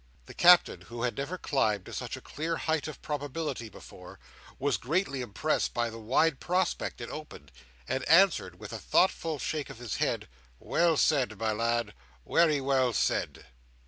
The Captain, who had never climbed to such a clear height of probability before, was greatly impressed by the wide prospect it opened, and answered, with a thoughtful shake of his head, "Well said, my lad; wery well said."